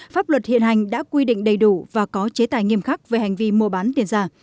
pháp luật hiện hành đã quy định đầy đủ và có chế tài nghiêm khắc về hành vi mua bán tiền giả